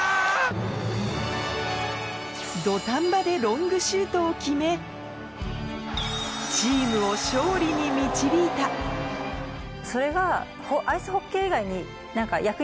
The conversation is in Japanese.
土壇場でロングシュートを決めチームを勝利に導いたそれが。